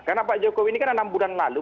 karena pak jokowi ini kan enam bulan lalu